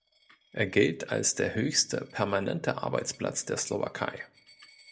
Er gilt als der höchste permanente Arbeitsplatz der Slowakei.